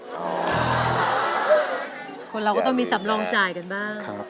คนเราก็ต้องมีสำรองจ่ายกันบ้าง